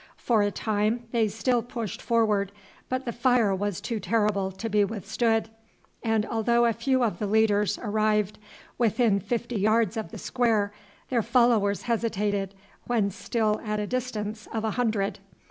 For a time they still pushed forward, but the fire was too terrible to be withstood; and although a few of the leaders arrived within fifty yards of the square, their followers hesitated when still at a distance of a hundred.